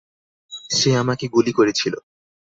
সে আমাকে গুলি করেছিল।